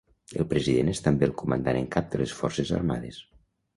El President és també el Comandant en Cap de les Forces Armades.